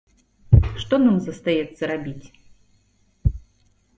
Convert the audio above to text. Што нам застаецца рабіць?